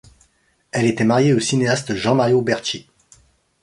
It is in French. Elle était mariée au cinéaste Jean-Mario Bertschy.